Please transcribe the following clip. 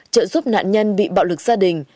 trợ giúp nạn nhân bị bạo lực gia đình